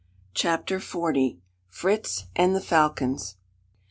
CHAPTER FORTY. FRITZ AND THE FALCONS.